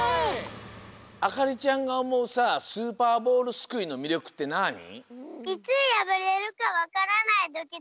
あかりちゃんがおもうさスーパーボールすくいのみりょくってなに？